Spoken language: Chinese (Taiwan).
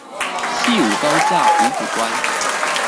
汐五高架五股端